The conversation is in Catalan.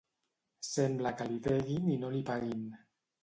Sembla que li deguin i no li paguin.